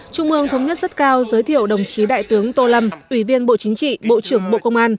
trung mương thống nhất rất cao giới thiệu đồng chí đại tướng tô lâm ủy viên bộ chính trị bộ trưởng bộ công an